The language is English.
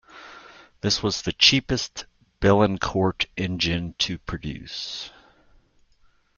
This was the cheapest Billancourt engine to produce.